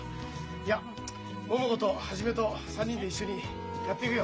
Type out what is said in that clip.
いや桃子と一と３人で一緒にやっていくよ！